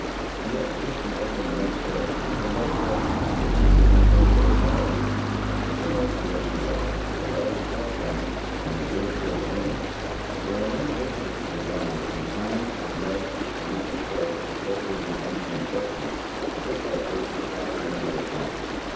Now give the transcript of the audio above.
The exhibition opened the next day, but no flights were to be attempted until the day following. Two more crafts arrived, a large triplane, and a dirigible balloon. There were many visitors to the ground, and Tom, Ned and Mr. Sharp were kept busy answering questions put by those who crowded into their tent.